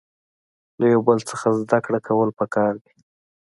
له یو بل څخه زده کړه کول پکار دي.